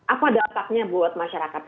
apa dampaknya buat masyarakat